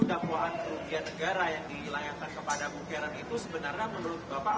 dakwaan kerugian negara yang dilayankan kepada bung karen itu sebenarnya menurut bapak